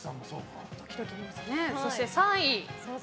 そして、３位。